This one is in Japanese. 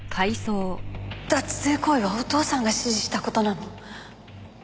脱税行為はお父さんが指示した事なの？